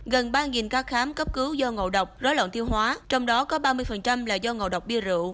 gần ba ca khám cấp cứu do ngộ độc rới lỏng tiêu hóa trong đó có ba mươi là do ngộ độc bia rượu